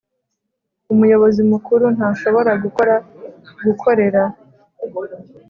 umuyobozi mukuru ntashobora gukora gukorera